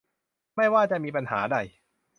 ไม่ว่าจะมีปัญหาใด